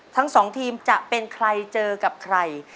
ทั้งสองทีมจะเป็นใครเจอกับใคร